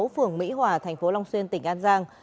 phường mỹ hòa tp long xuyên tỉnh an giang